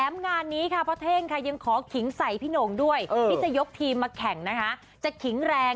เออนะคะไปฟังเสียงจ้า